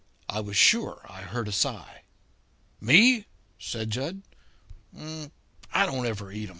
I was sure I heard a sigh. "Me?" said Jud. "I don't ever eat 'em."